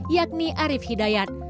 yakni arief hidayat